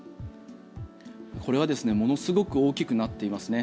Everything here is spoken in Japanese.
これはものすごく大きくなっていますね。